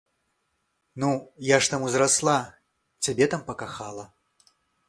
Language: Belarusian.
Ну, я ж там узрасла, цябе там пакахала.